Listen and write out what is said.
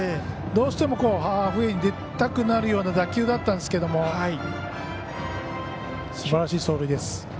どうしても塁に出たくなるような打球だったんですけどもすばらしい走塁です。